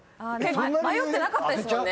迷ってなかったですもんね。